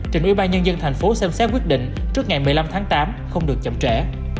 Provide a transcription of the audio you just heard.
trên ubnd tp hcm xem xét quyết định trước ngày một mươi năm tháng tám không được chậm trẻ